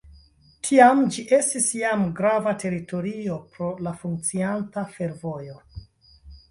Tiam ĝi estis jam grava teritorio pro la funkcianta fervojo.